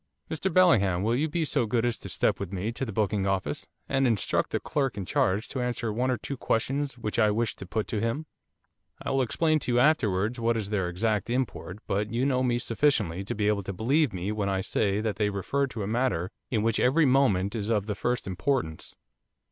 'Mr Bellingham, will you be so good as to step with me to the booking office, and instruct the clerk in charge to answer one or two questions which I wish to put to him. I will explain to you afterwards what is their exact import, but you know me sufficiently to be able to believe me when I say that they refer to a matter in which every moment is of the first importance.